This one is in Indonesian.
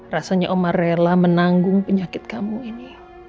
rasanya oma rela menanggung penyakit kamu ini